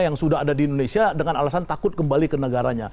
yang sudah ada di indonesia dengan alasan takut kembali ke negaranya